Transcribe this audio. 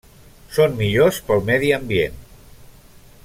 Són millors pel medi ambient.